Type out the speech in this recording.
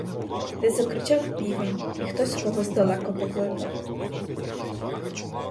Десь закричав півень і хтось когось далеко покликав.